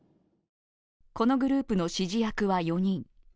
このグループの指示役は４人。